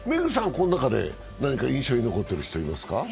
この中で何か印象に残っている人いますか？